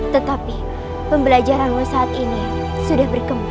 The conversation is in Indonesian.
tetapi pembelajaranmu saat ini sudah berkembang